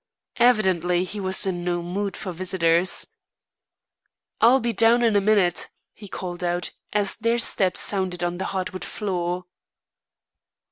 Evidently he was in no mood for visitors. "I'll be down in a minute," he called out, as their steps sounded on the hardwood floor.